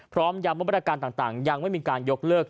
พร้อมย้ำว่าบริการต่างยังไม่มีการยกเลิก